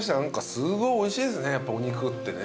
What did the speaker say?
すごいおいしいですねやっぱお肉ってね。